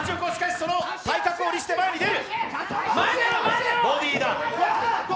その体格を利して、前に出る。